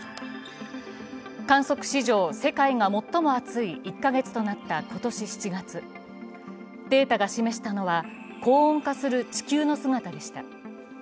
観測史上世界が最も暑い１か月となった今年７月データが示したのは高温化する地球の姿でした